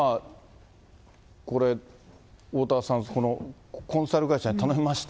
これ、おおたわさん、このコンサル会社に頼みました、